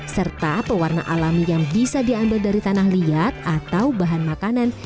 serta pewarna alami yang bisa diambil dari tanah liat atau bahan makanan